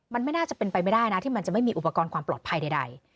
มันไม่น่าจะเป็นไปไม่ได้นะที่มันจะไม่มีอุปกรณ์ความปลอดภัยใด